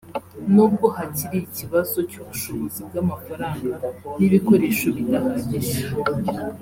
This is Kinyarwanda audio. nubwo hakiri ikibazo cy’ubushobozi bw’amafaranga n’ibikoresho bidahagije